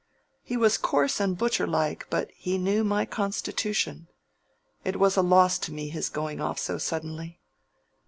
He was coarse and butcher like, but he knew my constitution. It was a loss to me his going off so suddenly.